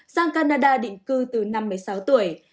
sang canada định cư từ năm mươi sáu tuổi